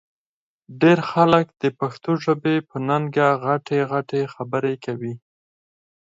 ډېر خلک د پښتو ژبې په ننګه غټې غټې خبرې کوي